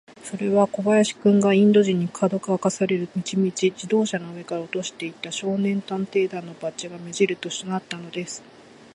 それは小林君が、インド人に、かどわかされる道々、自動車の上から落としていった、少年探偵団のバッジが目じるしとなったのです。